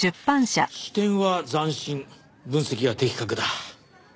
視点は斬新分析は的確だ。